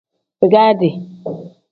Bigaadi.